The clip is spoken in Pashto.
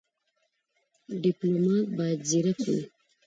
ډيپلومات بايد ځيرک وي.